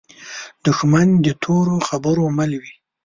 دښمن د تورو خبرو مل وي